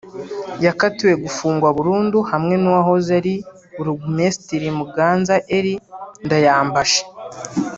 yakatiwe gufungwa burundu hamwe n’uwahoze ari Burugumesitiri Muganza Elie Ndayambaje